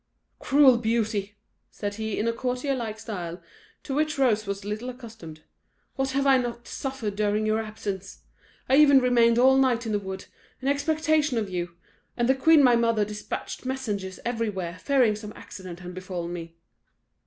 "Cruel beauty!" said he, in a courtier like style, to which Rose was little accustomed, "what have I not suffered during your absence! I even remained all night in the wood, in expectation of you, and the queen my mother despatched messengers everywhere, fearing some accident had befallen me."